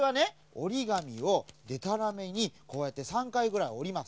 おりがみをでたらめにこうやって３かいぐらいおります。